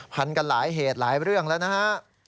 พันกันหลายเหตุหลายเรื่องแล้วนะฮะ